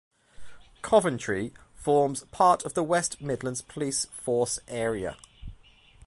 Coventry forms part of the West Midlands Police force area.